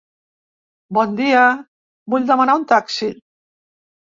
Bon dia, vull demanar un taxi.